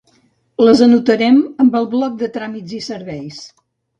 Les anotarem amb el bloc de tràmits i serveis.